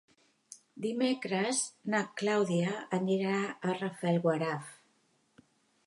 Dimecres na Clàudia anirà a Rafelguaraf.